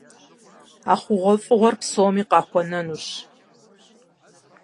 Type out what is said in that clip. А хъугъуэфӀыгъуэр псоми къахуэнэнущ.